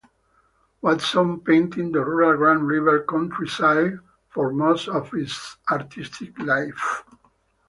Watson painted the rural Grand River countryside for most of his artistic life.